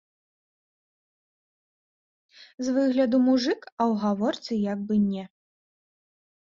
З выгляду мужык, а ў гаворцы як бы не.